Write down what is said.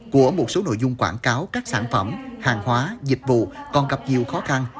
của một số nội dung quảng cáo các sản phẩm hàng hóa dịch vụ còn gặp nhiều khó khăn